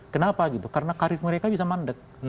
kenapa gitu karena karir mereka bisa mandek